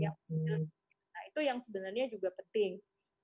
nah itu yang sebenarnya juga penting